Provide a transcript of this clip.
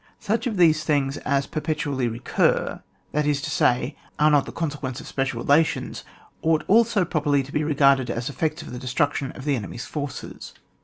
Such of these things as per petually recur — that is to say, are not the consequence of special relations — ought also properly to be regarded as effects of the destruction of the enemy's forces.